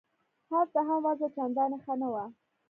هلته هم وضع چندانې ښه نه وه.